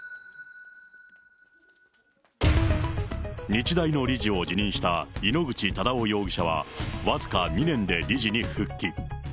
日大の理事を辞任した井ノ口忠男容疑者は、僅か２年で理事に復帰。